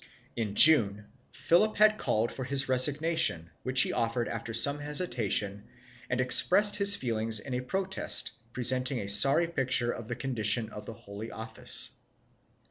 In June, Philip had called for his resignation, which he offered after some hesi tation and expressed his feelings in a protest presenting a sorry picture of the condition of the Holy Office.